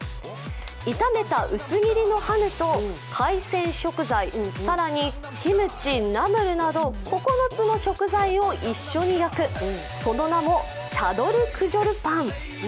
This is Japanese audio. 炒めた薄切りのハヌと海鮮食材、更にキムチ、ナムルなど９つの食材を一緒に焼く、その名も、チャドルクジョルパン。